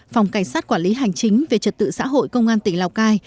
phòng cảnh sát quản lý hành chính về trật tự xã hội công an tỉnh lào cai